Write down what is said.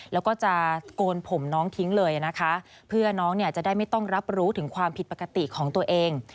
แล้วก็จะโกนผมน้องทิ้งเลยนะคะเพื่อน้องเนี่ยจะได้ไม่ต้องรับรู้ถึงความผิดปกติของตัวเอง